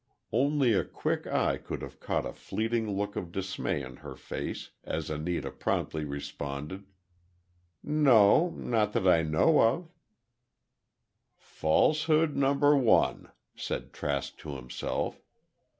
Only a quick eye could have caught a fleeting look of dismay on her face, as Anita promptly responded, "No—not that I know of." "Falsehood number one," said Trask to himself.